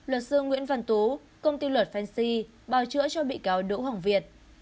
luật sư nguyễn văn tú công ty luật fancy bảo chữa cho bị cáo đỗ hoàng việt